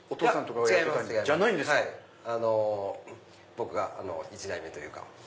僕が１代目というか。